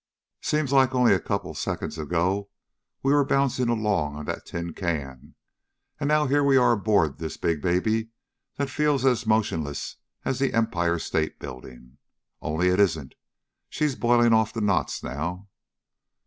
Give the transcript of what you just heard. Seems like only a couple of seconds ago we were bouncing along on that tin can. And now here we are aboard this big baby that feels as motionless as the Empire State Building. Only it isn't. She's boiling off knots, now."